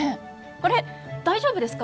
これ大丈夫ですか？